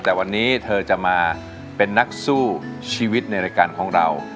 แต่วันนี้เธอจะมาเป็นนักสู้ชีวิตในรายการของเรา